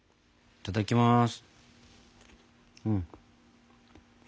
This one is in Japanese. いただきます。